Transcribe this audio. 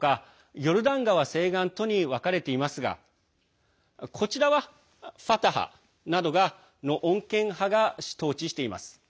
ヨルダン川西岸とに分かれていますがこちらはファタハなどの穏健派が統治しています。